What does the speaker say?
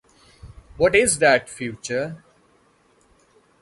What is that future?